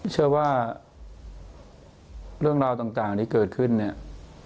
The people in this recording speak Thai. เชื่อว่าเรื่องราวต่างที่เกิดขึ้นเนี่ย